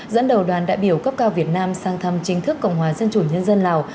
dẫn đầu đoàn đại biểu cấp cao việt nam sang thăm chính thức cộng hòa dân chủ nhân dân lào